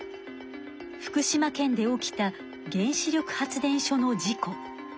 福島県で起きた原子力発電所の事故。